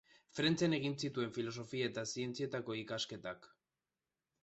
Frantzian egin zituen filosofia eta zientzietako ikasketak.